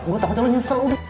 gue takut lo nyesel udah